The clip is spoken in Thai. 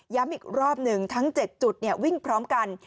อีกรอบหนึ่งทั้ง๗จุดวิ่งพร้อมกัน